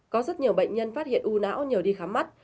có rất nhiều bệnh nhân phát hiện u não nhờ đi khám mắt